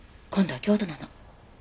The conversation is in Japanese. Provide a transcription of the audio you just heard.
今度は京都なの。